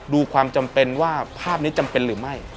ความจำเป็นว่าภาพนี้จำเป็นหรือไม่